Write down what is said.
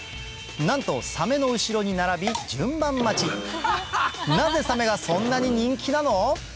なんとサメの後ろに並びなぜサメがそんなに人気なの？